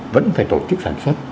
vẫn phải tổ chức sản xuất